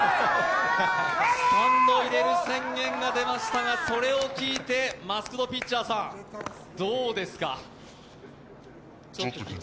スタンドに入れる宣言が出ましたが、それを聞いてマスク・ド・ピッチャーさん、どうですか。